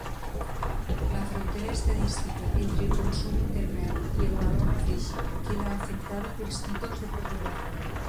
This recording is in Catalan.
La frontera estadística entre el consum intermedi i el valor afegit queda afectada pels títols de propietat.